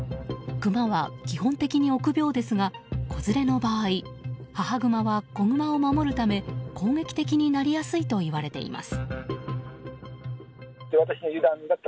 クマは基本的に臆病ですが子連れの場合母グマは子グマを守るため攻撃的になりやすいといわれています。